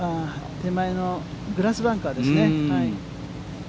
手前のグラスバンカーですね。